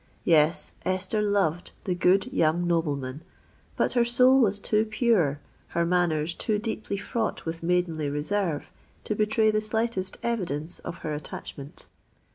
Yes—Esther loved the good young nobleman; but her soul was too pure—her manners to deeply fraught with maidenly reserve, to betray the slightest evidence of her attachment.